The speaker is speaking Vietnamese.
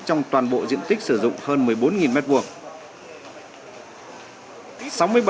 trong toàn bộ diện tích sử dụng hơn một mươi bốn m hai